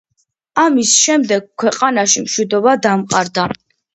ამის შემდეგ ქვეყანაში მშვიდობა დამყარდა.